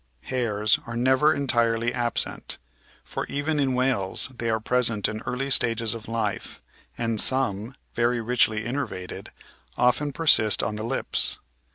Hairs are never entirely absent, for even in whales they are present in early stages of life and some, very richly innervated, often persist on the lips.